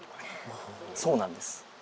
そうなんです。